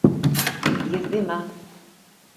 Je zima.